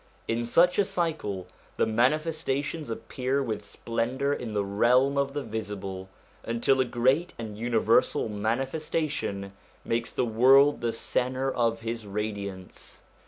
In such a cycle the Manifestations appear with splendour in the realm of the visible, until a great and universal Manifestation makes the world the centre of his radiance.